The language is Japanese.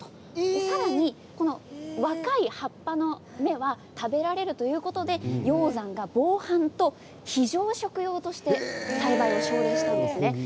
さらに若い葉っぱの芽は食べられるということで鷹山が防犯と非常食用として栽培を奨励したんです。